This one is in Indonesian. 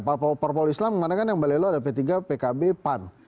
parpol parpol islam mana kan yang balai lua ada p tiga pkb pan